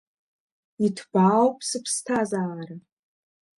Иҭбаауп сыԥсҭазаара…